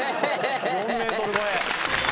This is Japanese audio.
４ｍ超え